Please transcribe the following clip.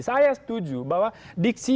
saya setuju bahwa diksi